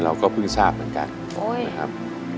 เราก็เพิ่งทราบเหมือนกันนะครับ